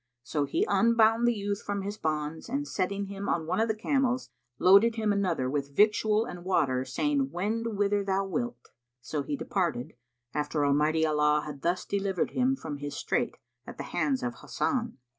So he unbound the youth from his bonds and setting him on one of the camels, loaded him another with victual and water,[FN#47] saying, "Wend whither thou wilt." So he departed, after Almighty Allah had thus delivered him from his strait at the hands of Hasan.